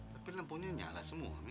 tapi lampunya nyala semua